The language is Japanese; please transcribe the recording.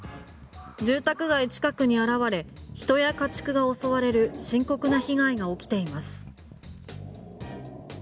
住宅街近くに現れ人や家畜が襲われる深刻な被害が起きています。